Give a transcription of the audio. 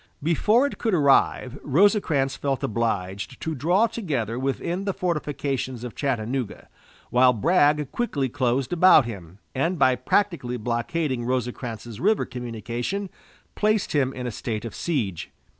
Before it could arrive Rosecrans felt obliged to draw together within the fortifications of Chattanooga, while Bragg quickly closed about him, and, by practically blockading Rosecrans's river communication, placed him in a state of siege.